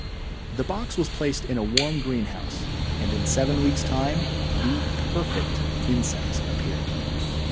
The box was placed in a warm greenhouse, and in seven weeks' time the perfect insects appeared.